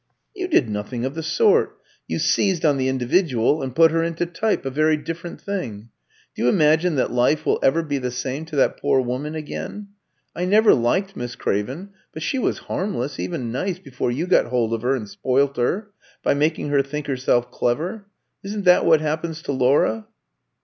"You did nothing of the sort. You seized on the individual and put her into type a very different thing. Do you imagine that life will ever be the same to that poor woman again? I never liked Miss Craven, but she was harmless, even nice, before you got hold of her and spoilt her, by making her think herself clever. Isn't that what happens to Laura?"